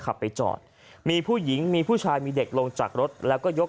ขับไปจอดมีผู้หญิงมีผู้ชายมีเด็กลงจากรถแล้วก็ยก